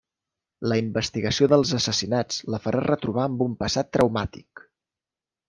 La investigació dels assassinats la farà retrobar amb un passat traumàtic.